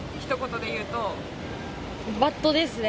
バッドですね。